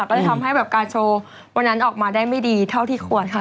ก็เลยทำให้แบบการโชว์วันนั้นออกมาได้ไม่ดีเท่าที่ควรค่ะ